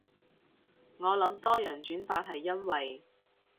我諗多人轉發係因為